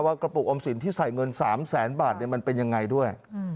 กระปุกออมสินที่ใส่เงิน๓แสนบาทมันเป็นยังไงด้วย